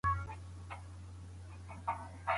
ژورنالیزم پوهنځۍ په غلطه توګه نه تشریح کیږي.